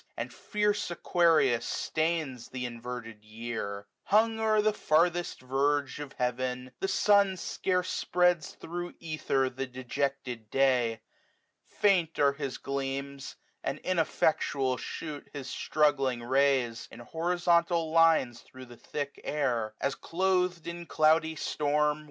And fierce Aquarius stains th' inverted year ; Hung o'er the farthest verge of heaven, the sun Scarce spreads thro' ether the dejected day. 45 Faint are his gleams, and ineffectual shoot His struggling rays, in horizontal lines. Thro' the thick air } as cloth'd in cloudy storm.